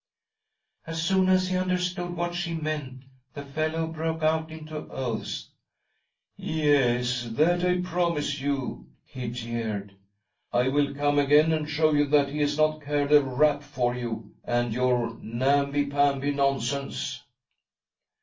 " As soon as he understood what she meant, the fellow broke out into oaths. ' Yes, that I promise you !' he jeered. ' I will come again and show you that He has not cared a rap for you and your namby pamby nonsense.'